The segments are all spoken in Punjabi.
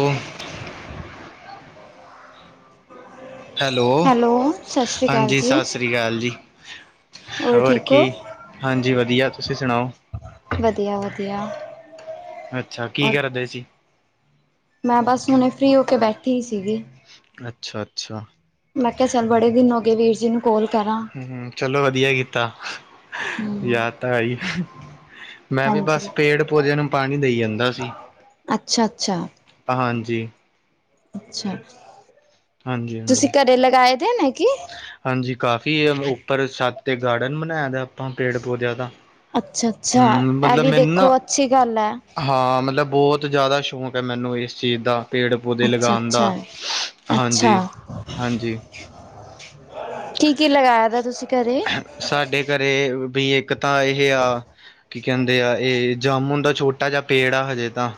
ਓ ਹੈਲੋ। ਸਤਿ ਸ਼੍ਰੀ ਅਕਾਲ ਹਾਂਜੀ, ਜੀ ਸਾਸਰੀਕਾਲ ਜੀ। ਹੋਰ ਠੀਕ ਹੋ ਕੀ, ਹਾਂਜੀ ਵਧੀਆ। ਤੁਸੀਂ ਸਣਾਓ? ਵਧੀਆ-ਵਧੀਆ। ਅੱਛਾ, ਕੀ ਕਰਦੇ ਸੀ? ਮੈਂ ਬਸ ਹੁਣੇ ਫਰੀ ਹੋ ਕੇ ਬੈਠੀ ਈ ਸੀਗੀ। ਅੱਛਾ-ਅੱਛਾ। ਮੈਂ ਕਿਆ ਚਲ ਬੜੇ ਦਿਨ ਹੋਗੇ, ਵੀਰ ਜੀ ਨੂੰ ਕੋਲ ਕਰਾਂ। ਹੂੰ, ਚਲੋ ਵਧੀਆ ਕੀਤਾ, ਹਮ ਯਾਦ ਤਾਂ ਆਈ। ਮੈਂ ਵੀ ਹਾਂਜੀ ਬਸ ਪੇੜ-ਪੋਦਿਆਂ ਨੂੰ ਪਾਣੀ ਦੇਈ ਜਾਂਦਾ ਸੀ। ਅੱਛਾ-ਅੱਛਾ। ਹਾਂਜੀ। ਅੱਛਾ-ਅ, ਹਾਂਜੀ ਤੁਸੀਂ ਹਾਂਜੀ ਘਰੇ ਲਗਾਏ ਦੇ ਨੇ ਕੀ? ਹਾਂਜੀ, ਕਾਫੀ ਏ ਉੱਪਰ ਛੱਤ ਤੇ ਗਾਰਡਨ ਬਣਾਇਆ ਹੋਇਆ ਆਪਾਂ ਪੇੜ-ਪੋਦਿਆਂ ਦਾ। ਅੱਛਾ -ਅੱਛਾ। ਹਮ ਮਤਲਬ ਐਵੀ ਮੈਨੂੰ ਨਾ ਦੇਖੋ ਅੱਛੀ ਗੱਲ ਐ‌। ਹਾਂ, ਮਤਲਬ ਬੋਤ ਜ਼ਾਦਾ ਸ਼ੋਕੈ ਮੈਨੂੰ ਏਸ ਚੀਜ਼ ਦਾ ਪੇੜ ਪੌਦੇ ਅੱਛਾ ਲਗਾਣ ਦਾ। ਅੱਛਾ ਹਾਂਜੀ-ਹਾਂਜੀ ਕੀ-ਕੀ ਲਗਾਇਆ ਵਾ ਤੁਸੀਂ ਘਰੇ? ਸਾਡੇ ਘਰੇ ਵੀ ਇੱਕ ਤਾਂ ਇਹੇ ਆ ਕੀ ਕਹਿੰਦੇ ਆ, ਇਹ ਜਾਮੁਣ ਦਾ ਛੋਟਾ ਜਿਹਾ ਪੇੜ ਆ ਹਜੇ ਤਾਂ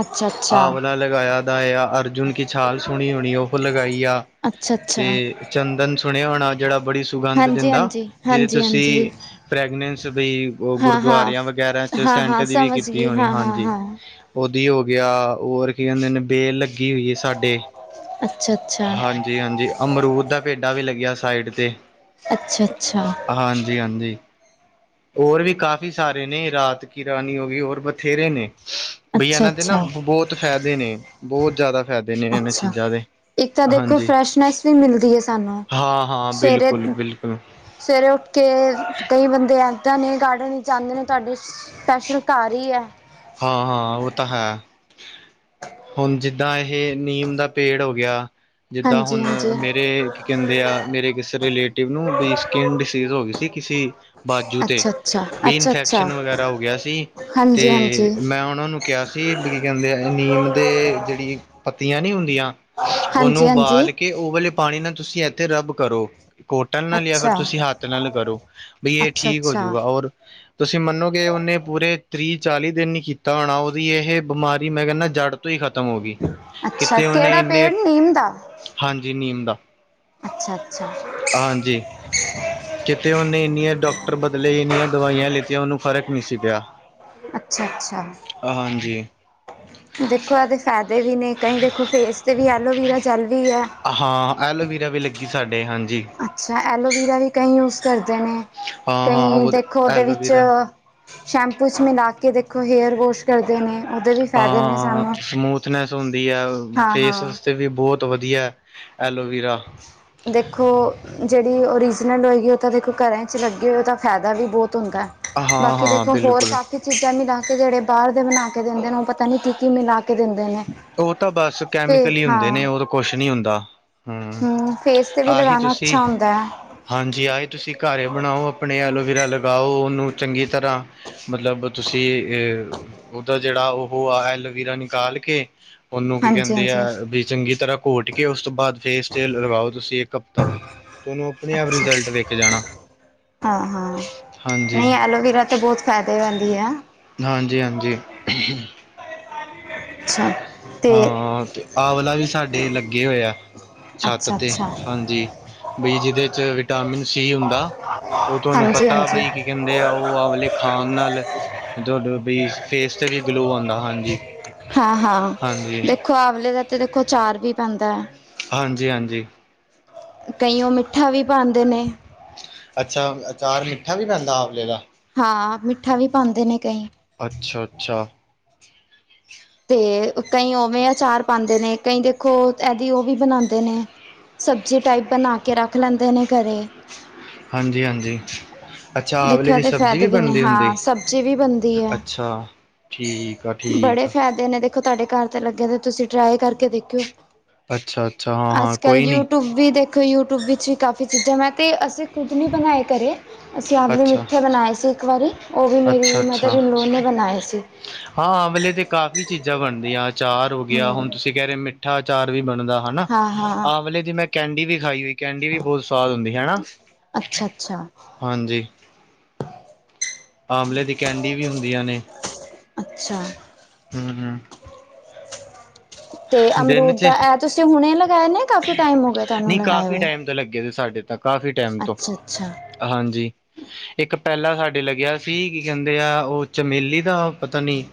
ਅੱਛਾ-ਅੱਛ। ਆਵਲਾ ਲਗਾਇਆ ਦਾ, ਆ ਅਰਜੁਨ ਕੀ ਛਾਲ ਸੁਣੀ ਹੋਣੀ, ਉਹੋ ਲਗਾਈ ਆ। ਅੱਛਾ ਤੇ ਅੱਛਾ ਚੰਦਨ ਸੁਣਿਆ ਹੋਣਾ, ਜਿਹੜਾ ਬੜੀ ਸੁਗੰਧ ਹਾਂਜੀ ਦਿੰਦਾ ਹਾਂਜੀ ਜਿਹੜੇ ਹਾਂਜੀ ਹਾਂਜੀ ਤੁਸੀਂ ਫ੍ਰੈਗਨੈਂਸ ਦੀ ਹਾਂ ਹਾਂ ਗੁਰਦੁਆਰਿਆਂ ਵਗੈਰਾ ਚ ਹਾਂ ਸੈਂਟ ਹਾਂ ਦੀ ਵੀ ਸਮਝ ਕੀਤੀ ਗਈ ਹੋਣੀ, ਹਾਂ ਹਾਂ ਹਾਂਜੀ। ਹਾਂ ਉਹ ਹੀ ਹੋ ਗਿਆ, ਹੋਰ ਕੀ ਕਿੰਦੇ ਨੇ, ਬੇਲ ਲੱਗੀ ਹੋਈ ਐ ਸਾਡੇ ਅੱਛਾ-ਅੱਛਾ। ਜੀ, ਹਾਂਜੀ। ਅਮਰੂਦ ਦਾ ਪੇਡਾ ਵੀ ਲੱਗਿਆ ਸਾਈਡ 'ਤੇ। ਅੱਛਾ-ਅੱਛਾ। ਹਾਂਜੀ-ਹਾਂਜੀ। ਹੋਰ ਵੀ ਕਾਫੀ ਸਾਰੇ ਨੇ ਰਾਤ ਕਿ ਰਾਣੀ ਹੋ ਗਈ। ਹੋਰ ਬਥੇਰੇ ਨੇ ਬਈ ਅੱਛਾ ਇਹਨਾਂ ਦੇ ਨਾ ਅੱਛਾ ਬਹੁਤ ਫਾਇਦੇ ਨੇ ਬਹੁਤ ਜ਼ਿਆਦਾ ਫਾਇਦੇ ਨੇ, ਇਹਨਾਂ ਅੱਛਾ ਚੀਜ਼ਾਂ ਦੇ ਇੱਕ ਤਾਂ ਦੇਖੋ ਹਾਂਜੀ ਫਰੈਸ਼ਨੈਸ ਵੀ ਮਿਲਦੀ ਏ ਸਾਨੂੰ ਹਾਂ ਹਾਂ ਸਵੇਰੇ ਬਿਲਕੁਲ ਬਿਲਕੁਲ ਸਵੇਰੇ ਉੱਠ ਕੇ ਕਈ ਬੰਦੇ ਇੱਦਾਂ ਨੇ ਗਾਰਡਨ ਚਾਹੁੰਦੇ ਨੇ ਤੁਹਾਡੇ ਸਪੈਸ਼ਲ ਘਰ ਹੀ ਆ ਹਾਂ ਹਾਂ ਉਹ ਤਾਂ ਹੈ ਹੁਣ ਜਿੱਦਾਂ ਇਹ ਨੀਮ ਦਾ ਪੇੜ ਹੋ ਗਿਆ ਜਿੱਦਾਂ ਹਾਂਜੀ ਹੁਣ ਹਾਂਜੀ ਮੇਰੇ ਕੀ ਕਹਿੰਦੇ ਆ ਮੇਰੇ ਕਿਸ ਰਿਲੇਟਿਵ ਨੂੰ ਵੀ ਸਕਿੰਨ ਡਿਸੀਜ਼ ਹੋ ਗਈ ਸੀ ਕਿਸੇ ਬਾਜੂ ਤੇ ਅੱਛਾ ਆ ਅੱਛਾ ਆ ਵੀ ਇਨਫੈਕਸ਼ਨ ਵਗੈਰਾ ਹੋ ਗਿਆ ਸੀ ਤੇ ਹਾਂਜੀ ਹਾਂਜੀ ਮੈਂ ਉਹਨਾਂ ਨੂੰ ਕਿਹਾ ਸੀ ਵੀ ਕੀ ਕਹਿੰਦੇ ਆ ਨੀਮ ਦੇ ਜਿਹੜੀ ਪੱਤੀਆਂ ਨੀ ਹੁੰਦੀਆਂ ਉਹਨੂੰ ਹਾਂਜੀ ਹਾਂਜੀ ਉਬਾਲ ਕੇ ਉਹ ਵਾਲੇ ਪਾਣੀ ਨਾਲ ਤੁਸੀਂ ਇੱਥੇ ਰੱਬ ਕਰੋ। ਕੋਟਲ ਨਾਲ ਲਿਆ ਫਿਰ ਅੱਛਾ ਤੁਸੀਂ ਹੱਥ ਨਾਲ ਕਰੋ ਬ ਇਹ ਅੱਛਾ ਠੀਕ ਅੱਛਾ ਹੋਜੂਗਾ ਔਰ ਤੁਸੀਂ ਮੰਨੋਗੇ ਉਹਨੇ ਪੂਰੇ ਤੀਹ, ਚਾਲੀ ਦਿਨ ਹੀ ਕੀਤਾ ਹੋਣਾ ਉਹਦੀ ਇਹ ਬਿਮਾਰੀ ਮੈਂ ਕਹਿੰਦਾ ਜੜ ਤੋਂ ਹੀ ਖਤਮ ਹੋ ਗਈ ਅੱਛਾ ਕਿਤੇ ਉਹਨੇ ਕਿਹੜਾ ਇੰਨੇ ਪੇੜ ਨੀਮ ਦਾ ਹਾਂਜੀ ਨੀਮ ਦਾ ਅੱਛਾ ਅੱਛਾ ਹਾਂਜੀ। ਕਿਤੇ ਉਹਨੇ ਇੰਨੀਆਂ ਡਾਕਟਰ ਬਦਲੇ ਇੰਨੀਆਂ ਦਵਾਈਆਂ ਲਿੱਤੀਆਂ ਉਹਨੂੰ ਫ਼ਰਕ ਨਹੀਂ ਸੀ ਪਿਆ। ਅੱਛਾ ਆ ਅੱਛਾ ਆ ਹਾਂਜੀ ਦੇਖੋ ਇਦੇ ਫਾਇਦੇ ਨੇ ਕਈ ਦੇਖੋ ਫੇਸ 'ਤੇ ਵੀ ਐਲੋਵੀਰਾ ਜੈਲ ਵੀ ਹੈ ਹਾਂ ਐਲੋਵੀਰਾ ਵੀ ਲੱਗੀ ਸਾਡੇ ਹਾਂਜੀ ਅੱਛਾ ਐਲੋਵੀਰਾ ਵੀ ਕਈ ਯੂਜ ਕਰਦੇ ਨੇ ਹਾਂ ਹਾਂ ਕਈ ਉਹ ਦੇਖੋ ਉਹਦੇ ਵਿੱਚ ਐਲੋਵੀਰਾ ਸ਼ੈਂਪੂ ਚ ਮਿਲਾ ਕੇ ਦੇਖੋ ਹੇਅਰ ਵੋਸ਼ ਕਰਦੇ ਨੇ ਉਹਦੇ ਵੀ ਫਾਇਦੇ ਨੇ ਸਾਨੂੰ ਥ਼ਨੈਸ ਹੁੰਦੀ ਹੈ ਹਾਂ-ਹਾਂ ਫੇਸ ਵਾਸਤੇ ਵੀ ਬਹੁਤ ਵਧੀਆ ਐਲੋਵੇਰਾ ਦੇਖੋ ਜਿਹੜੀ ਓਰੀਜਨਲ ਹੋਗੀ ਆ ਓ ਤਾਂ ਦੇਖੋ ਘਰ ਚ ਲੱਗੀ ਓ ਤਾਂ ਫੈਦਾ ਵੀ ਬਹੁਤ ਹੁੰਦਾ ਹਾਂ ਬਾਕੀ ਹਾਂ ਦੇਖੋ ਹੋਰ ਬਿਲਕੁਲ ਕੰਮ ਕਿ ਚੀਜ਼ਾਂ ਮਿਲਾਕੇ ਜਿਹੜੇ ਬਾਹਰ ਦੇ ਬਣਾ ਕੇ ਦਿੰਦੇ ਨੇ ਉਹ ਪਤਾ ਨਹੀਂ ਕੀ ਕੀ ਮਿਲਾ ਕੇ ਕੇ ਦਿੰਦੇ ਨੇ ਫੇਰ ਹਾਂ ਫੋਨ ਕੁੱਛ ਨੀ ਹੁੰਦਾ ਹਮ ਫੇਸ ਤੇ ਵੀ ਆਹੀ ਲਗਾਣਾ ਤੁਸੀਂ ਅੱਛਾ ਹੁੰਦਾ ਹੈ ਹਾਂਜੀ ਆਹੀਂ ਤੁਸੀਂ ਘਰੇ ਬਣਾਉ ਆਪਣੇ ਐਲੋਵੇਰਾ ਲਗਾਓ ਉਹਨੂੰ ਚੰਗੀ ਤਰ੍ਹਾਂ ਮਤਲਬ ਤੁਸੀਂ ਏ ਅ ਉਹਦਾ ਜਿਹੜਾ ਓਹੋ ਆ ਐਲੋਵੇਰਾ ਨਿਕਾਲ ਕੇ ਕੇ ਉਹਨੂੰ ਕੀ ਕਹਿੰਦੇ ਆ ਹਾਂਜੀ-ਹਾਂਜੀ। ਵੀ ਚੰਗੀ ਤਰ੍ਹਾਂ ਕੋਟ ਕਿ ਉਸ ਤੋਂ ਬਾਅਦ ਫੇਸ ਟੇਲ ਲਗਾਓ ਤੁਸੀਂ ਇੱਕ ਹਫ਼ਤਾ ਤੁਹਾਨੂੰ ਆਪਣੇ ਆਪ ਅੱਛਾ ਰਿਜ਼ਲਟ ਵੇਖ ਜਾਣਾ ਹਾਂ ਹਾਂ ਹਾਂਜੀ ਨਹੀਂ ਐਲੋਵੇਰਾ ਤੇ ਬਹੁਤ ਫੈਂਦੇਵੰਦੀ ਆ ਹਾਂਜੀ ਹਾਂਜੀ ਉ ਹੁ ਛਾ ਹਾਂ ਤੇ ਆ ਵਲਾ ਵੀ ਸਾਡੇ ਲੱਗੇ ਹੋਏਆ ਛੱਤ ਅੱਛਾ ਤੇ ਅੱਛਾ ਹਾਂਜੀ ਬੀ ਜਿਹਦੇ 'ਚ ਵਿਟਾਮਿਨ ਸੀ ਹੁੰਦਾ ਉਹ ਤੁਹਾਨੂੰ ਹਾਂਜੀ ਪਤਾ ਹਾਂਜੀ ਬਾਈ ਕਹਿੰਦੇ ਆ ਉਹ ਆ ਵਾਲੇ ਖਾਣ ਨਾਲ ਤੁਹਾਡੇ ਬੀ ਫੇਸ ਤੇ ਵੀ ਗਲੋ ਆਉਂਦਾ ਹਾਂਜੀ ਹਾਂ ਹਾਂ ਹਾਂਜੀ ਦੇਖੋ ਆਵਲੇ ਦਾ ਤੇ ਦੇਖੋ ਅਚਾਰ ਵੀ ਪੈਂਦਾ ਹਾਂ ਜੀ ਹਾਂਜੀ ਕਇਓ ਮਿੱਠਾ ਵੀ ਪਾਉਂਦੇ ਨੇ ਅੱਛਾ ਅਚਾਰ ਮਿੱਠਾ ਵੀ ਪੈਂਦਾ ਅਵਲੇ ਦਾ ਹਾਂ ਮਿੱਠਾ ਵੀ ਪਾਉਂਦੇ ਨੇ ਕਈ ਅੱਛਾ ਅੱਛਾ ਤੇ ਕਈ ਓਵੇਂ ਅਚਾਰ ਪਾਉਂਦੇ ਨੇ ਕਈ ਦੇਖੋ ਇਹਦੀ ਉਹ ਵੀ ਬਣਾਉਂਦੇ ਨੇ ਸਬਜ਼ੀ ਟਾਈਪ ਬਣਾ ਕੇ ਰੱਖ ਲੈਂਦੇ ਨੇ ਘਰੇ ਹਾਂਜੀ ਹਾਂਜੀ ਅੱਛਾ, ਆਵਲੇ ਦੇਖੋ ਇਹਦੇ ਦੀ ਵੀ ਫਾਇਦੇ ਨੇ ਬਣਦੀ ਹੁੰਦੀ, ਹਾਂ ਸਬਜ਼ੀ ਵੀ ਬਣਦੀ ਹੈ ਅੱਛਾ? ਠੀਕ ਆ ਬੜੇ ਠੀਕ ਆ ਫਾਇਦੇ ਨੇ, ਦੇਖੋ ਤੁਹਾਡੇ ਘਰ ਤੇ ਲੱਗੇ ਦੇ ਤੁਸੀਂ ਟਰਾਈ ਕਰਕੇ ਦੇਖਿਓ। ਅੱਛਾ ਅੱਛਾ ਹਾਂ ਅੱਜ ਹਾਂ ਕੱਲ ਕੋਈ ਨਹੀਂ ਯੂਟਿਊਬ ਵੀ ਦੇਖੋ। ਯੂਟਿਊਬ ਵਿੱਚ ਵੀ ਕਾਫ਼ੀ ਚੀਜ਼ਾਂ ਮੈਂ ਤੇ ਅਸੀਂ ਖੁਦ ਨੀ ਬਣਾਏ ਘਰੇ। ਅਸੀਂ ਆਪਦੇ ਅੱਛਾ ਮਿੱਠੇ ਬਣਾਏ ਸੀ ਇੱਕ ਵਾਰੀ, ਉਹ ਵੀ ਅੱਛਾ ਮੇਰੀ ਮਦਰ ਅੱਛਾ ਇਨ ਲਾਅ ਨੇ ਬਣਾਏ ਸੀ। ਹਾਂ, ਆਂਮਲੇ ਤੇ ਕਾਫ਼ੀ ਚੀਜ਼ਾਂ ਬਣਦੀਆਂ ਅਚਾਰ ਹੋ ਗਿਆ ਹੁਣ ਹੂੰ ਤੁਸੀਂ ਕਹਿ ਰਹੇ ਹੋ ਮਿੱਠ ਮਿੱਠਾ ਅਚਾਰ ਵੀ ਬਣਦਾ ਹਨਾ। ਹਾਂ ਹਾਂ ਆਮਲੇ ਦੀ ਮੈਂ ਕੈਂਡੀ ਵੀ ਖਾਈ ਹੋਈ ਕੈਂਡੀ ਵੀ ਬਹੁਤ ਸਵਾਦ ਹੁੰਦੀ ਹਨਾ ਅੱਛਾ ਅੱਛਾ ਹਾਂਜੀ‌। ਆਮਲੇ ਦੀ ਕੈਂਡੀ ਵੀ ਹੁੰਦੀਆਂ ਨੇ। ਅੱਛਾ। ਹੂ, ਹੂ। ਤੇ ਦਿਨ ਅਮਰੂਦ ਚ ਦਾ, ਇਹ ਤੁਸੀਂ ਹੁਣੇ ਲਗਾਇਆ ਨਾ ਕਾਫੀ ਟਾਈਮ ਹੋ ਗਿਆ ਤੁਹਾਨੂੰ ਲਗਾਏ ਹੋਏ। ਤੇ ਲੱਗੇ ਨੇ ਸਾਡੇ ਤਾਂ ਕਾਫੀ ਟਾਈਮ ਤੋਂ ਅੱਛਾ ਅੱਛਾ ਹਾਂਜੀ। ਇੱਕ ਪਹਿਲਾ ਸਾਡੇ ਲੱਗਿਆ ਸੀ ਕਿ ਕਹਿੰਦੇ ਆ ਉਹ ਚਮੇਲੀ ਦਾ ਪਤਾ ਨਹੀਂ।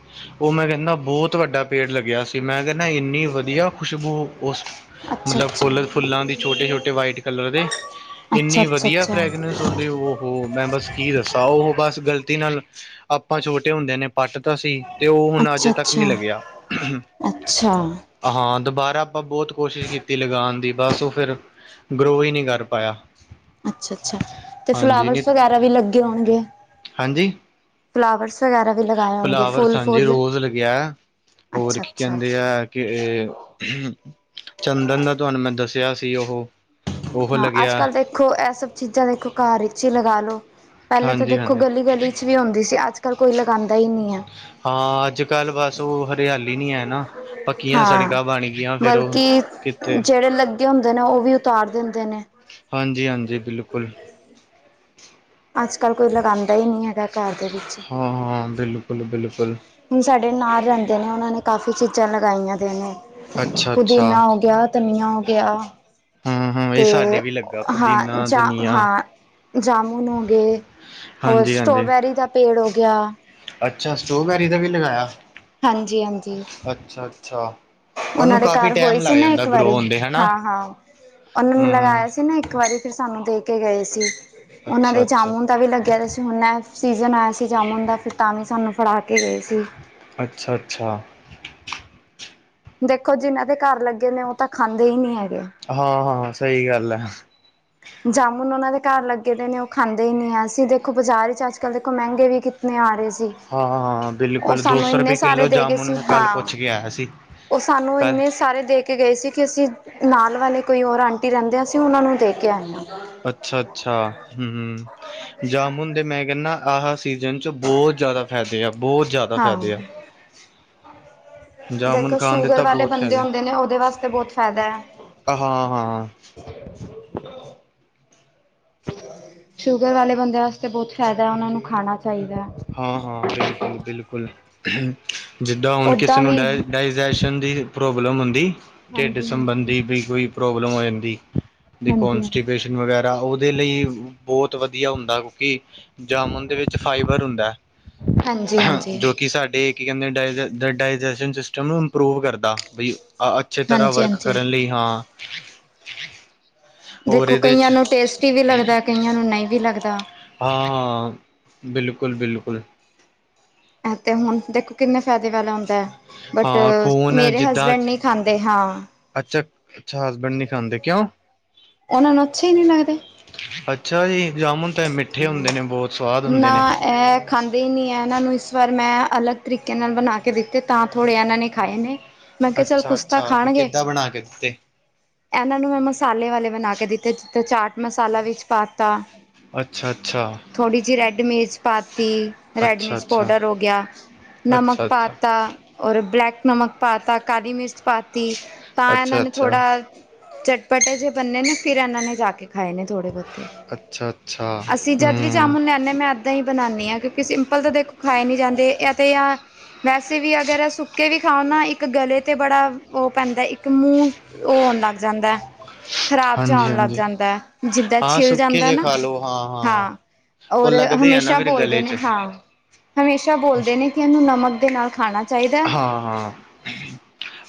ਉਹ ਮੈਂ ਕਹਿੰਨਾ ਬਹੁਤ ਵੱਡਾ ਪੇੜ ਲੱਗਿਆ ਸੀ। ਮੈਂ ਕਹਿੰਨਾ ਇੰਨੀ ਵਧੀਆ ਖੁਸ਼ਬੂ ਉਸ ਅੱਛਾ ਮਤਲਬ ਫੁੱਲ -ਫੁੱਲਾਂ ਦੀ ਛੋਟੇ -ਛੋਟੇ ਵਾਈਟ ਕਲਰ ਦੇ ਅੱਛਾ ਅੱਛਾ ਅੱਛਾ ਇੰਨੀ ਵਧੀਆ ਫਰੈਗਨਿੰਸ। ਤੁਰਨ ਦੀ ਉਹੋ ਮੈਂ ਬ਼ਸ ਕੀ ਦਸਾਂ, ਉਹੋ ਬ਼ਸ ਗ਼ਲਤੀ ਨਾਲ ਆਪਾਂ ਛੋਟੇ ਹੁੰਦਿਆਂ ਨੇ ਪੱਟ ਤਾਂ ਸੀ ਤੇ ਉਹ ਅੱਛਾ ਹੁਣ ਅਜੇ ਤੱਕ ਨਹੀਂ ਅੱਛਾ ਲੱਗਿਆ। ਅੱਛਾ। ਹਾਂ ਦੁਬਾਰਾ ਆਪਾਂ ਬਹੁਤ ਕੋਸ਼ਿਸ਼ ਕੀਤੀ ਲਗਾਣ ਦੀ ਬਸ ਉਹ ਫਿਰ ਗਰੋਹ ਹੀ ਨਹੀਂ ਕਰ ਪਾਇਆ। ਅੱਛਾ -ਅੱਛਾ ਤੇ ਹਾਂਜੀ ਨੀ ਫਲਾਵਰਸ ਵਗੈਰਾ ਵੀ ਲੱਗੇ ਹੋਣਗੇ। ਹਾਂਜੀ ਫਲਾਵਰਸ ਵਗੈਰਾ ਵੀ ਲੱਗ ਫਲਾਵਰਸ ਹਾਂਜੀ ਰੋਜ਼ ਲੱਗਿਆ। ਹੋਰ ਕੀ ਅੱਛਾ-ਅੱਛਾ ਕਹਿੰਦੇ ਐ। ਕਿ ਏ ਚੰਦਨ ਦਾ ਤੁਹਾਨੂੰ ਮੈਂ ਦੱਸਿਆ ਸੀ। ਉਹੋ ਹਾਂ, ਅੱਜ ਕੱਲ ਦੇਖੋ? ਇਹ ਸਭ ਚੀਜ਼ਾਂ ਦੇਖੋ। ਘਰ ਵਿੱਚ ਹੀ ਲਗਾ ਲੋ, ਪਹਿਲਾਂ ਤਾਂ ਹਾਂਜੀ ਦੇਖੋ ਹਾਂਜੀ ਗਲੀ ਗਲੀ 'ਚ' ਵੀ ਹੋਂਦੀ ਸੀ। ਅੱਜ -ਕੱਲ ਕੋਈ ਲਗਾਉਂਦਾ ਹੀ ਨਹੀਂ ਐ। ਹਾਂ, ਅੱਜ- ਕੱਲ੍ਹ ਬਸ ਉਹ ਹਰਿਆਲੀ ਨੀ ਹੈ ਨਾ। ਪੱਕੀਆਂ ਹਾਂ। ਸੜਕਾਂ ਬਣਗੀਆਂ ਫਿਰ ਉਹ ਬਲਕਿ ਕਿੱਥੇ ਜਿਹੜੇ ਲੱਗੇ ਹੁੰਦੇ ਨੇ ਉਹ ਵੀ ਉਤਾਰ ਦਿੰਦੇ ਨੇ। ਹਾਂਜੀ- ਹਾਂਜੀ ਬਿਲਕੁਲ। ਅੱਜ -ਕੱਲ ਕੋਈ ਲਗਾਉਂਦਾ ਹੀ ਨਹੀਂ ਹੈਗਾ, ਘਰ ਦੇ ਵਿੱਚ। ਹਾਂ -ਹਾਂ ਬਿਲਕੁਲ -ਬਿਲਕੁਲ। ਹੁਣ ਸਾਡੇ ਨਾਲ ਰਹਿੰਦੇ ਨੇ ਉਹਨਾਂ ਨੇ ਕਾਫ਼ੀ ਚੀਜ਼ਾਂ ਲਗਾਈਆਂ ਦੇ ਨੇ, ਅੱਛਾ-ਅੱਛਾ ਪੁਦੀਨਾ ਹੋ ਗਿਆ। ਧਨੀਆ ਹੋ ਗਿਆ। ਹਾਂ-ਹਾਂ ਇਹ ਤੇ ਸਾਡੇ ਵੀ ਲੱਗਾ ਹਾਂ, ਪੁਦੀਨਾ, ਜਾ, ਧਨੀਆ ਹਾਂ, ਜਾਮੁਨ ਹੋ ਗਏ। ਹੋਰ ਹਾਂਜੀ-ਹਾਂਜੀ ਸਟ੍ਰੋਬੈਰੀ ਦਾ ਪੇੜ ਹੋ ਗਿਆ। ਅੱਛਾ ਸਟ੍ਰੋਬੈਰੀ ਦਾ ਵੀ ਲਗਾਇਆ। ਹਾਂਜੀ- ਹਾਂਜੀ। ਅੱਛਾ -। ਅੱਛਾ ਉਹਨਾਂ ਦੇ ਘਰ ਹੋਈ ਸੀ ਨਾ ਇੱਕ ਵਾਰੀ ਹੁੰਦੇ ਹਨਾ ਹਾਂ -ਹਾਂ ਉਹਨੇ ਹੂੰ ਲਗਾਇਆ ਸੀ ਨਾ ਇੱਕ ਵਾਰੀ ਫਿਰ ਸਾਨੂੰ ਦੇਖ ਕੇ ਗਏ ਸੀ, ਉਹਨਾਂ ਦੇ ਅੱਛਾ-ਅੱਛਾ, ਜਾਮੁਨ ਦਾ ਵੀ ਲੱਗਿਆ ਸੀ। ਹੁਣ ਨਾਂ ਸੀਜ਼ਨ ਆਇਆ ਸੀ ਜਾਮੁਨ ਦਾ ਫਿਰ ਤਾਂ ਵੀ ਸਾਨੂੰ ਫੜਾ ਕੇ ਗਏ ਸੀ। ਅੱਛਾ -ਅੱਛਾ। ਦੇਖੋ, ਜਿਹਨਾਂ ਦੇ ਘਰ ਲੱਗੇ ਨੇ ਉਹ ਤਾਂ ਖਾਂਦੇ ਹੀ ਨਹੀਂ ਹੈਗੇ। ਹਾਂ -ਹਾਂ ਸਹੀ ਗੱਲ ਹੈ। ਜਾਮੁਨ ਉਹਨਾਂ ਦੇ ਘਰ ਲੱਗੇ ਦੇ ਨੇ ਉਹ ਖਾਂਦੇ ਹੀ ਨਹੀਂ ਆ। ਅਸੀਂ ਦੇਖੋ ਬਾਜ਼ਾਰ 'ਚ ਅੱਜ ਕੱਲ੍ਹ ਦੇਖੋ ਮਹਿੰਗੇ ਵੀ ਕਿਤਨੇ ਆ ਰਹੇ ਸੀ। ਹਾਂ- ਹਾਂ ਉਹ ਬਿਲਕੁਲ, ਦੋ ਸਾਨੂੰ ਸੌ ਇੰਨੇ ਰੁਪਏ ਸਾਰੇ ਕਿੱਲੋ ਦੇ ਗਏ ਜਾਮੁਨ ਸੀ ਮੈਂ ਕੱਲ੍ਹ ਹਾਂ ਪੁੱਛ ਕੇ ਆਇਆ ਸੀ। ਉਹ ਸਾਨੂੰ ਕੱਲ ਇੰਨੇ ਸਾਰੇ ਦੇ ਕੇ ਗਏ ਸੀ, ਕਿ ਅਸੀਂ ਨਾਲ ਵਾਲੇ ਕੋਈ ਹੋਰ ਆਂਟੀ ਰਹਿੰਦੇ ਹਾਂ ਅਸੀਂ ਉਹਨਾਂ ਨੂੰ ਦੇ ਕੇ ਆਏ ਹਾਂ। ਅੱਛਾ -ਅੱਛਾ, ਹੂੰ-ਹੂੰ। ਜਾਮੁਨ ਦੇ ਮੈਂ ਕਹਿੰਦਾ ਆਹ ਸੀਜਨ ਚ ਬਹੁਤ ਜ਼ਿਆਦਾ ਫ਼ਾਇਦੇ ਆ, ਬਹੁਤ ਜ਼ਿਆਦਾ ਦਾ ਫਾਇਦੇ ਆ। ਹਾਂ ਜਾਮੁਨ ਦੇਖੋ, ਖਾਣ ਦੇ ਸ਼ੂਗਰ ਤਾਂ ਵਾਲੇ ਬਹੁਤ ਬੰਦੇ ਫਾਇਦੇ ਹੁੰਦੇ ਨੇ ਉਹਦੇ ਵਾਸਤੇ ਬਹੁਤ ਫਾਇਦਾ ਹੈ। [inaudible] ਹਾਂ, ਹਾਂ। ਸ਼ੂਗਰ ਵਾਲੇ ਬੰਦੇ ਵਾਸਤੇ ਬਹੁਤ ਫ਼ਾਇਦਾ, ਉਹਨਾ ਨੂੰ ਖਾਣਾ ਚਾਹੀਦਾ। ਹਾਂ- ਹਾਂ, ਬਿਲਕੁਲ -ਬਿਲਕੁਲ। ਜਿੱਦਾਂ ਹੁਣ ਕਿਸੇ ਓਦਾਂ ਨੂੰ ਵੀ ਡਾਏ ਡਾਇਜਸਨ ਦੀ ਪ੍ਰੋਬਲਮ ਹੁੰਦੀ ਢਿੱਡ ਹਾਂਜੀ ਹਾਂਜੀ ਸੰਬੰਧੀ ਵੀ ਕੋਈ ਪੋ੍ਬਲਮ ਹੋ ਜਾਂਦੀ, ਦੇਖੋ, ਹਾਂਜੀ ਹਾਂਜੀ ਅਨਸਟੀਵ ਵਗੈਰਾ ਉਹਦੇ ਲਈ ਬਹੁਤ ਵਧੀਆ ਹੁੰਦਾ, ਕਿਉਂਕਿ ਜਾਮੁਨ ਦੇ ਵਿੱਚ ਫਾਇ ਬਰ ਹੁੰਦਾ ਹਾਂਜੀ ਹਾਂਜੀ ਜੋ ਕਿ ਸਾਡੇ ਕੀ ਕਹਿੰਦੇ ਡ ਡਾਇਜੈਸਟ ਸਿਸਟਮ ਨੂੰ ਇੰਪਰੂਵ ਕਰਦਾ, ਬਈ ਅ ਅੱਛੇ ਤਰ੍ਹਾਂ ਹਾਂਜੀ ਵਰਕ ਹਾਂਜੀ ਕਰਨ ਲਈ ਹਾਂ। ਹੋਰ ਦੇਖੋ, ਇਹਦੇ 'ਚ ਕਈਆਂ ਨੂੰ ਟੇਸਟੀ ਵੀ ਲੱਗਦਾ, ਕਈਆਂ ਨੂੰ ਨਹੀਂ ਵੀ ਲੱਗਦਾ। ਹਾਂ -ਹਾਂ, ਬਿਲਕੁਲ-ਬਿਲਕੁਲ। ਆਤੇ ਹੁਣ ਦੇਖੋ, ਕਿੰਨੇ ਫਾਇਦੇ ਵਾਲਾ ਹੁੰਦਾ। ਬਟ, ਹਾਂ ਖੂਨ ਮੇਰੇ ਜਿੱਦਾਂ ਹਸਬੈਂਡ ਨਹੀਂ ਖਾਂਦੇ ਹਾਂ। ਅੱਛਾ- ਅੱਛਾ, ਹਸਬੈਂਡ ਨਹੀਂ ਖਾਂਦੇ ਕਿਉਂ? ਇਹਨਾਂ ਨੂੰ ਅੱਛੇ ਹੀ ਨਹੀਂ ਲੱਗਦੇ। ਅੱਛਾ ਜੀ, ਜਾਮੁਨ ਤੇ ਮਿੱਠੇ ਹੁੰਦੇ ਨੇ, ਬਹੁਤ ਸਵਾਦ ਹੁੰਦੇ ਨਾ ਨੇ। ਇਹ ਖਾਂਦੇ ਹੀ ਨਹੀਂ ਆ, ਇਹਨਾਂ ਨੂੰ ਇਸ ਵਾਰ ਮੈਂ ਅਲੱਗ ਤਰੀਕੇ ਨਾਲ ਬਣਾ ਕੇ ਦਿੱਤੇ ਤਾਂ ਥੋੜ੍ਹੇ ਇਹਨਾਂ ਨੇ ਖਾਏ ਨੇ। ਮੈਂ ਕਿਹਾ ਚੱਲ ਅੱਛਾ ਕੁਸ਼ ਤਾਂ ਅੱਛਾ ਵੀ ਖਾਣਗੇ। ਕਿੱਦਾਂ ਬਣਾ ਕੇ ਦਿੱਤੇ ਇਹਨਾਂ ਨੂੰ ਮੈਂ ਮਸਾਲੇ ਵਾਲੇ ਬਣਾ ਕੇ ਦਿੱਤੇ, ਜਿੱਥੇ ਚਾਟ ਮਸਾਲਾ ਵਿੱਚ ਪਾਤਾ। ਅੱਛਾ- ਅੱਛਾ। ਥੋੜ੍ਹੀ ਜਿਹੀ ਰੈੱਡ ਮਿਰਚ ਪਾਤੀ, ਰੈੱਡ ਅੱਛਾ ਮਿਰਚ ਅੱਛਾ ਪਾਊਡਰ ਹੋ ਗਿਆ। ਨਮਕ ਅੱਛਾ ਅੱਛਾ ਪਾਤਾ। ਔਰ ਬਲੈਕ ਨਮਕ ਪਾ ਤਾ, ਕਾਲੀ ਮਿਰਚ ਪਾ ਤੀ, ਤਾਂ ਇਹਨਾਂ ਅੱਛਾ ਨੇ ਅੱਛਾ ਥੋੜਾ ਚਟਪਟੇ ਜੇ ਬੰਣੇ ਨੇ, ਫਿਰ ਇਹਨਾਂ ਨੇ ਜਾ ਕੇ ਖਾਏ ਨੇ ਥੋੜੇ ਬਹੁਤੇ। ਅੱਛਾ- ਅੱਛਾ, ਹੂੰ। ਇਨੇ ਮੈਂ ਦਹੀ ਬਣਾਉਂਦੀ ਹਾਂ, ਕਿਉਂਕਿ ਸਿੰਪਲ ਤਾਂ ਦੇਖੋ ਖਾਏ ਨੀ ਜਾਂਦੇ ਇਹ ਤੇ ਆ ਵੈਸੇ ਵੀ ਅਗਰ ਸੁੱਕੇ ਵੀ ਖਾਓ ਨਾ ਇੱਕ ਗਲੇ 'ਤੇ ਬੜਾ ਉਹ ਪੈਂਦਾ ਇੱਕ ਮੂੰਹ ਉਹ ਆਉਣ ਲੱਗ ਜਾਂਦਾ, ਖ਼ਰਾਬ 'ਚ ਹਾਂਜੀ ਆਉਣ ਲੱਗ ਹਾਂਜੀ ਜਾਂਦਾ ਹੈ, ਜਿੱਦਾਂ ਛਿੱਲ ਜਾਂਦਾ ਨਾ ਹੈਲੋ, ਹਾਂ। ਹਾਂ, ਉਹ ਔਰ ਲੱਗਦੇ ਆ ਨਾ ਹਮੇਸ਼ਾ ਫਿਰ ਬੋਲਦੇ ਗਲੇ ਨੇ 'ਚ ਹਾਂ, ਹਮੇਸ਼ਾ ਬੋਲਦੇ ਨੇ। ਕਹਿੰਦੇ ਨਮਕ ਦੇ ਨਾਲ ਖਾਣਾ। ਚਾਹੀਦਾ ਹਾਂ - ਹਾਂ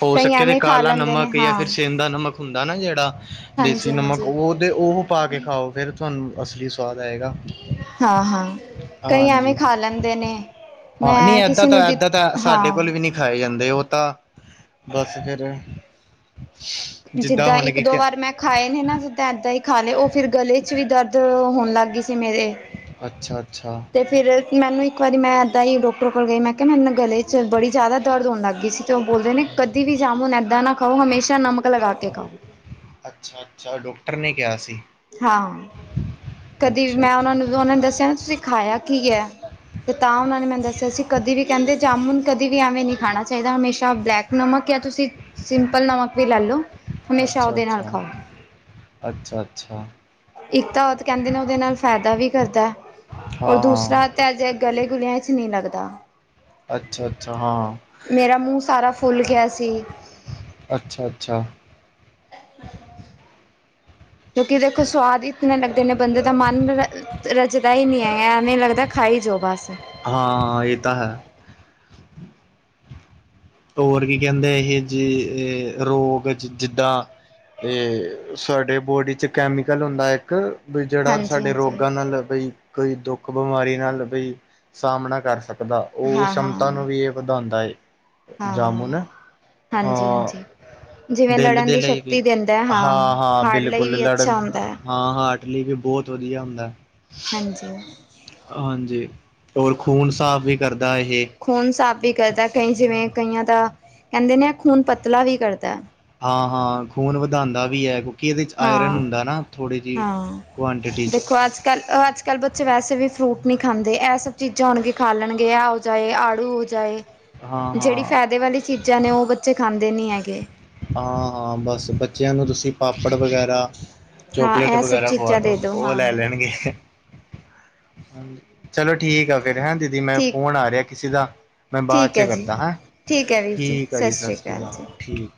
ਹੋ ਕਈ ਸਕੇ ਤੇ ਐਵੇਂ ਖਾ ਕਾਲਾ ਲੈਂਦੇ ਨੇ ਨਮਕ ਜਾਂ ਹਾਂ ਫਿਰ ਸੇਂਦਾ ਨਮਕ ਹੁੰਦਾ ਨਾ ਜਿਹੜਾ ਦੇਸੀ ਹਾਂਜੀ ਨਮਕ ਹਾਂਜੀ ਉਹ। ਤੇ ਉਹ ਪਾ ਕੇ ਖਾਓ, ਫੇਰ ਤੁਹਾਨੂੰ ਅਸਲੀ ਸਵਾਦ ਆਏਗਾ। ਹਾਂ -ਹਾਂ! ਕਈ ਐਵੇਂ ਹਾਂਜੀ ਖਾ ਲੈਂਦੇ ਨੇ, ਹਾਂ ਨਹੀਂ ਮੈਂ ਏਦਾਂ ਕਿਸੇ ਨੂੰ ਤਾਂ ਏਦਾਂ ਤਾਂ ਦਿੱਤੇ ਸਾਡੇ ਕੋਲ ਹਾਂ। ਵੀ ਨਹੀਂ ਖਾਏ ਜਾਂਦੇ ਓ ਤਾਂ ਬਾੱਸ ਫੇਰ ਜਿੱਦਾਂ ਇੱਕ-ਦੋ ਵਾਰ ਮੈਂ ਖਾਏ ਨੇ ਨਾ, ਜਿੱਦਾਂ ਐਦਾਂ ਹੀ ਖਾ ਲੇ ਓ ਫਿਰ ਗਲੇ ਚ ਵੀ ਦਰਦ ਹੋਨ ਲੱਗ ਗਈ ਸੀ ਮੇਰੇ। ਅੱਛਾ-ਅੱਛਾ। ਤੇ ਫਿਰ ਮੈਨੂੰ ਇੱਕ ਵਾਰੀ ਮੈਂ ਐਦਾਂ ਈਂ ਡੋਕਟਰ ਕੋਲ ਗਈ, ਮੈਂ ਕੇਆ ਮੈਨੂੰ ਗਲੇ ਚ ਬੜੀ ਜਾਦਾ ਦਰਦ ਹੋਨ ਲੱਗ ਗੀ ਸੀ। ਤੇ ਓ ਬੋਲਦੇ ਨੇ ਕਦੇ ਵੀ ਜਾਮੁਨ ਐਦਾਂ ਨਾ ਖਾਓ, ਹਮੇਸ਼ਾ ਨਮਕ ਲਗਾ ਕੇ ਖਾਓ। ਅੱਛਾ-ਅੱਛਾ ਡੋਕਟਰ ਨੇ ਕੇਆ ਸੀ। ਹਾਂ, ਕਦੀ ਮੈਂ ਓਨਾਂ ਨੂੰ, ਅੱਛਾ-ਅੱਛਾ ਓਨਾਂ ਦੱਸੇਆ ਤੁਸੀ ਖਾਏਆ ਕੀ ਐ ਤੇ ਤਾਂ ਓਨਾਂ ਨੇ ਮੈਨੂੰ ਦੱਸੇਆ ਸੀ, ਕਦੇ ਵੀ ਕੈਂਦੇ ਜਾਮੁਨ ਕਦੀ ਵੀ ਐਵੇਂ ਨੀ ਖਾਨਾ ਚਾਈਦਾ, ਹਮੇਸ਼ਾ ਬਲੈਕ ਨਮਕ ਯਾ ਤੁਸੀਂ ਸਿੰਪਲ ਨਮਕ ਵੀ ਲੈ ਲੋ, ਹਮੇਸ਼ਾ ਓਦੇ ਨਾਲ ਅੱਛਾ-ਅੱਛਾ ਖਾਓ। ਅੱਛਾ-ਅੱਛਾ। ਇੱਕ ਤਾਂ ਓ ਤਾ ਕੈਂਦੇ ਨੇ ਓਦੇ ਨਾਲ ਫਾਏਦਾ ਵੀ ਕਰਦੈ ਔਰ ਹਾਂ-ਹਾਂ ਦੂਸਰਾ ਤੇ ਐ ਜੇ ਗਲੇ ਗੁਲੇਆਂ ਚ ਨੀ ਲੱਗਦਾ। ਅੱਛਾ-ਅੱਛਾ ਹਾਂ ਮੇਰਾ ਮੂੰ ਸਾਰਾ ਫੁੱਲ ਗੇਆ ਸੀ। ਅੱਛਾ। ਅੱਛਾ। [unintelligible] ਕਯੂਕਿ ਦੇਖੋ ਸਵਾਦ ਇਤਨੇ ਲੱਗਦੇ ਨੇ, ਬੰਦੇ ਦਾ ਮਨ [inaudible] ਰੱਜਦਾ ਈ ਨੀ ਐ, ਐਵੇਂ ਲੱਗਦਾ ਖਾਈ ਜਾਓ ਬਾੱਸ। ਹਾਂ, ਏ ਤਾਂ ਹੈ। ਹੋਰ ਕੀ ਕੈਂਦੇ ਏ ਜੇ ਰੋਗ ਜਿੱਦਾਂ ਏ ਸਾਡੇ ਬੋਡੀ ਬੋਡੀ ਚ ਕੈਮੀਕਲ ਹੁੰਦਾ ਇੱਕ ਬਈ ਜੇੜਾ ਹਾਂਜੀ ਸਾਡੇ ਹਾਂਜੀ ਰੋਗਾਂ ਨਾਲ਼ ਬਈ ਕਈ ਦੋੱਖ ਬਿਮਾਰੀ ਨਾਲ ਬਈ ਸਾਮਨਾ ਕਾੱਰ ਸਕਦਾ। ਓ ਹਾਂ ਸਮਤਾ ਨੂੰ ਹਾਂ ਵੀ ਏ ਵਧਾਂਦੈ ਜਾਮੁਨ। ਹਾਂ ਹਾਂਜੀ-ਹਾਂਜੀ। ਜਿਵੇਂ ਦਿਲ ਲੜਨ ਦੇ ਦੀ ਲਈ ਸ਼ਕਤੀ ਵੀ ਦੇਂਦੇ, ਹਾਂ, ਹਾਡ ਲਈ ਵੀ ਅੱਛਾ ਹੁੰਦੈ। ਹਾਂ-ਹਾਂ ਠੀਕ ਏ, ਬੋਤ ਵਦੀਆ ਹੁੰਦੈ। ਹਾਂਜੀ। ਹਾਂਜੀ, ਓਰ ਖੂਨ ਸਾਫ਼ ਵੀ ਕਰਦਾ ਏ। ਖੂਨ ਸਾਫ਼ ਵੀ ਕਰਦੈ ਕਈ ਜਿਵੇਂ, ਕਈਆਂ ਦਾ ਕੈਂਦੇ ਨੇ ਖੂਨ ਪਤਲਾ ਵੀ ਕਰਦੈ। ਹਾਂ-ਹਾਂ ਖੂਨ ਵਧਾਂਦੈ ਵੀ ਐ, ਅਗੋ। ਕਿ ਇਦੇ ਚ ਆਏਰਨ ਹਾਂ ਹੁੰਦਾ ਨਾ ਥੋੜੀ ਜਿ ਕੁਆਂਟੀਟੀਜ ਚ ਬਾੱਜ ਕਾਰ ਓ ਅੱਜ ਕੱਲ ਬੱਚੇ ਵੈਸੇ ਵੀ ਫਰੂਟ ਨੀ ਖਾਂਦੇ, ਐ ਸਬ ਚੀਜ਼ਾਂ ਹੁਨ ਵੀ ਖਾ ਲੈਨਗੇ, ਐ ਹੋ ਜਾਏ, ਆੜੂ ਹੋ ਜਾਏ ਹਾਂ ਜੇੜੀ ਹਾਂ ਫੈਦੇ ਵਾਲੀ ਚੀਜ਼ਾਂ ਨੇ, ਓ ਬੱਚੇ ਖਾਂਦੇ ਨੀ ਹੈਗੇ। ਹਾਂ, ਹਾਂ ਬਾੱਸ ਬੱਚੇਆਂ ਨੂੰ ਤੁਸੀਂ ਪਾਪੜ ਵਗੈਰਾ ਆ ਹਾਂ ਚੋਕਲੇਟ ਇਹ ਸਭ ਵਗੈਰਾ ਖਵਾ ਚੀਜ਼ਾਂ ਦੇ ਦੋ, ਦਿਉ ਓ ਹਾਂ ਲੈ ਲੈਨਗੇ। ਹਾਂਜੀ, ਚਲੋ ਠੀਕ ਆ ਫਿਰ ਹੈਂ ਦੀਦੀ ਮੈਂ ਠੀਕ ਫੋਨ ਆ ਰੇਆ ਕਿਸੀ ਦਾ। ਮੈਂ ਬਾਦ ਠੀਕ ਚ ਹੈ ਜੀ ਕਰਦਾ ਹੈਂ, ਠੀਕ ਹੈ ਵੀਰ ਠੀਕ ਆ ਸਤਿ ਜੀ ਸ਼੍ਰੀ ਸਾਸਰੀ ਅਕਾਲ ਕਾਲ ਜੀ ਠੀਕ।